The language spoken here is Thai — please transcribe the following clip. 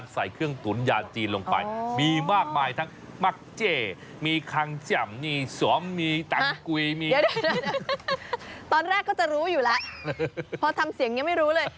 สวมมีตังกุยมีตอนแรกก็จะรู้อยู่ล่ะพอทำเสียงยังไม่รู้เลย